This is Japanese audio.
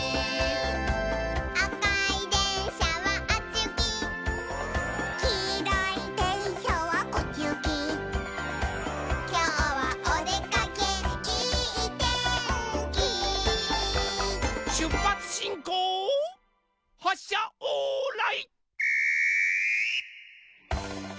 「あかいでんしゃはあっちゆき」「きいろいでんしゃはこっちゆき」「きょうはおでかけいいてんき」しゅっぱつしんこうはっしゃオーライ。